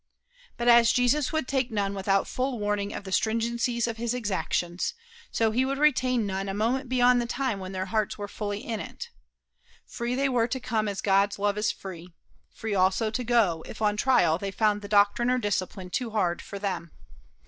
But as Jesus would take none without full warning of the stringency of his exactions, so he would retain none a moment beyond the time when their hearts were fully in it. Free they were to come as God's love is free free also to go, if on trial they found the doctrine or discipline too hard for them.